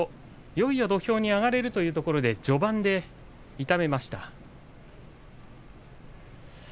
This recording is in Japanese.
いよいよ土俵に上がれるというところでも序盤で痛めました。